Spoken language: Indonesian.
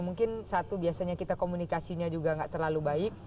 mungkin satu biasanya kita komunikasinya juga nggak terlalu baik